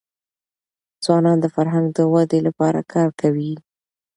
ځوانان د فرهنګ د ودې لپاره کار کوي.